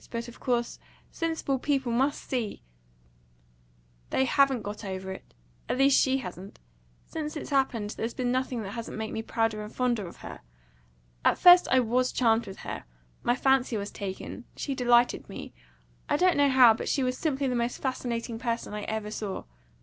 But, of course, sensible people must see " "They haven't got over it. At least she hasn't. Since it's happened, there's been nothing that hasn't made me prouder and fonder of her! At first I WAS charmed with her my fancy was taken; she delighted me I don't know how; but she was simply the most fascinating person I ever saw.